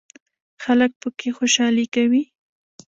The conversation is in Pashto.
خلک پکې خوشحالي کوي.